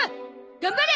頑張れ！